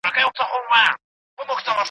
راتلونکی په اوسني کار پورې تړلی دی.